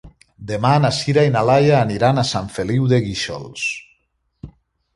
Demà na Sira i na Laia aniran a Sant Feliu de Guíxols.